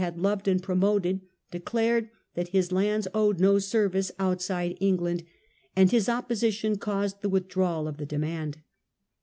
had loved and promoted, declared that his lands owed no service outside England, and his opposition caused the withdrawal of the demand.